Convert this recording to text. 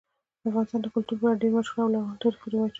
افغانستان د کلتور په اړه ډېر مشهور او لرغوني تاریخی روایتونه لري.